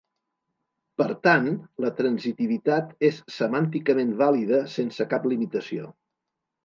Per tant, la transitivitat és semànticament vàlida sense cap limitació.